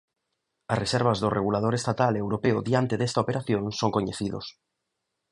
As reservas do regulador estatal e europeo diante desta operación son coñecidos.